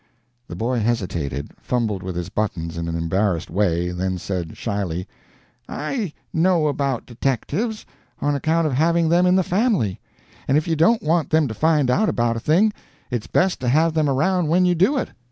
The boy hesitated, fumbled with his buttons in an embarrassed way, then said, shyly, "I know about detectives, on account of having them in the family; and if you don't want them to find out about a thing, it's best to have them around when you do it."